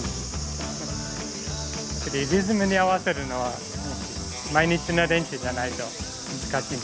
リズムに合わせるのは毎日の練習じゃないと難しい。